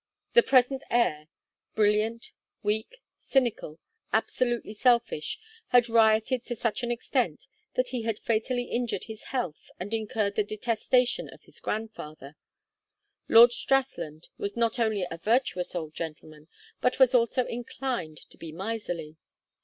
The present heir, brilliant, weak, cynical, absolutely selfish, had rioted to such an extent that he had fatally injured his health and incurred the detestation of his grandfather; Lord Strathland was not only a virtuous old gentleman but was also inclined to be miserly.